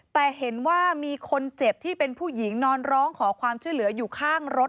แต่เห็นว่ามีคนเจ็บที่เป็นผู้หญิงนอนร้องขอความช่วยเหลืออยู่ข้างรถ